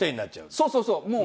そうそうそう！